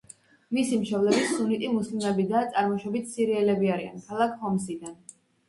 მისი მშობლები სუნიტი მუსლიმები და წარმოშობით სირიელები არიან, ქალაქ ჰომსიდან.